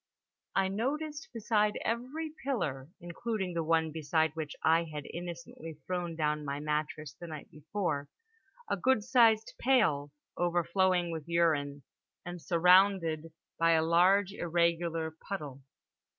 I noticed beside every pillar (including the one beside which I had innocently thrown down my mattress the night before) a good sized pail, overflowing with urine, and surrounded by a large irregular puddle.